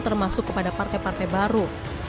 termasuk kepada partai partai baru